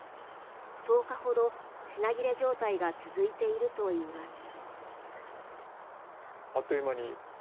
１０日ほど品切れ状態が続いているといいます。